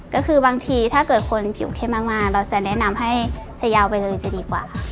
ก็คือบางทีถ้าเกิดคนผิวเข้มมากเราจะแนะนำให้ยาวไปเลยจะดีกว่าค่ะ